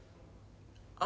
あ。